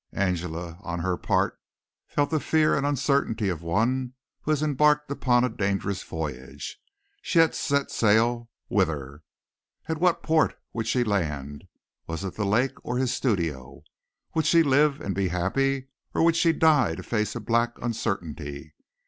Angela on her part felt the fear and uncertainty of one who has embarked upon a dangerous voyage. She had set sail whither? At what port would she land? Was it the lake or his studio? Would she live and be happy or would she die to face a black uncertainty?